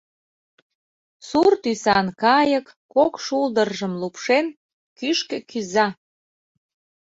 Сур тӱсан кайык, кок шулдыржым лупшен, кӱшкӧ кӱза...